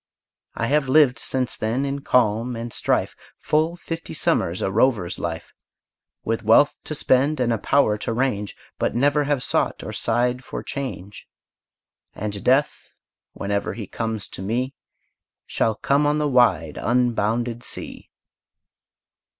I have lived, since then, in calm and strife, Full fifty summers a rover's life, With wealth to spend, and a power to range, But never have sought or sighed for change: And death, whenever he comes to me, Shall come on the wide, unbounded sea!